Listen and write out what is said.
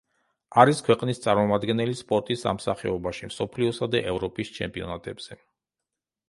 არის ქვეყნის წარმომადგენელი სპორტის ამ სახეობაში მსოფლიოსა და ევროპის ჩემპიონატებზე.